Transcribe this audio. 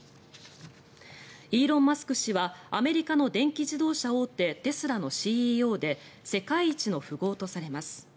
イーロン・マスク氏はアメリカの電気自動車大手テスラのＣＥＯで世界一の富豪とされます。